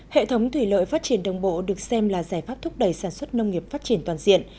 hệ thống thủy lợi phát triển đồng bộ được xem là giải pháp thúc đẩy sản xuất nông nghiệp phát triển toàn diện